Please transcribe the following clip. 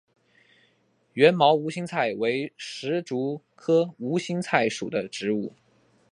缘毛无心菜为石竹科无心菜属的植物。